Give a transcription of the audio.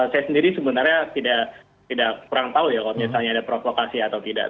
saya sendiri sebenarnya tidak kurang tahu ya kalau misalnya ada provokasi atau tidak